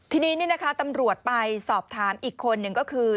ทีนี้นะคะตำรวจไปสอบถามอีกคนหนึ่งก็คือ